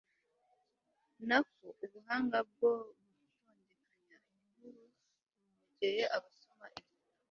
na ko ubuhanga bwo gutondekanya inkuru bunogera abasoma igitabo